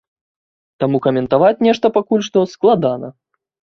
Таму каментаваць нешта пакуль што складана.